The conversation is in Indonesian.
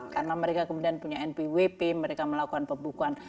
karena mereka kemudian punya npwp mereka melakukan pembukaan